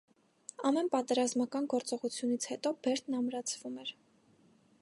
Ամեն պատերազմական գործողությունից հետո բերդն ամրացվում էր։